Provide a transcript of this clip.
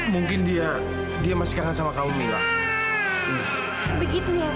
mungkin dia dia masih kangen sama wes lintas begitu ya mak